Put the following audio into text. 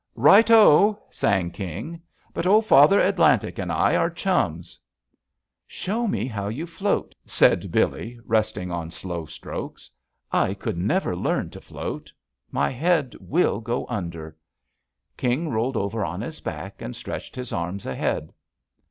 "Right 01" sang King. "But old Father Atlantic and I are chums 1" "Show me how you float," said Billee, rest ing on slow strokes, "I could never learn to float. My head will go under I" King rolled over on his back and stretched his arms ahead.